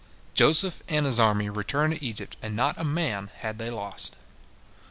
Joseph and his army returned to Egypt, and not a man had they lost.